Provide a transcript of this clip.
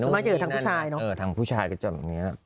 สมัยเจอทางผู้ชายเนอะ